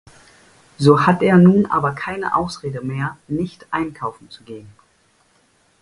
So hat er nun aber keine Ausrede mehr nicht einkaufen zu gehen.